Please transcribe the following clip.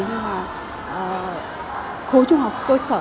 nhưng mà khối trung học cơ sở